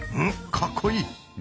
かっこいい！